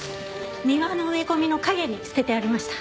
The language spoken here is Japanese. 庭の植え込みの陰に捨ててありました。